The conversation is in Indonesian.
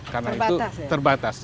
karena itu terbatas